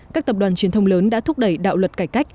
các tập đoàn truyền thông lớn đã thúc đẩy đạo luật cải cách